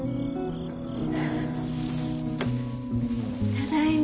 ただいま。